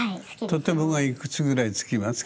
とてもがいくつぐらいつきますか？